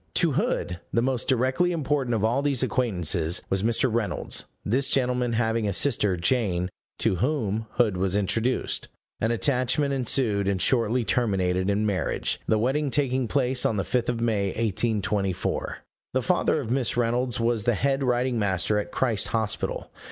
To Hood the most directly important of all these acquaintances was Mr. Reynolds; this gentleman having a sister, Jane, to whom Hood was introduced. An attachment ensued, and shortly terminated in marriage, the wedding taking place on the 5th of May, 1824. The father of Miss Reynolds was the head writing master at Christ Hospital.